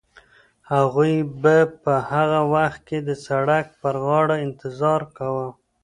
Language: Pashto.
هغوی به په هغه وخت کې د سړک پر غاړه انتظار کاوه.